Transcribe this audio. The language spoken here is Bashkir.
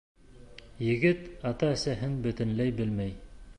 Егет ата-әсәһен бөтөнләй белмәй.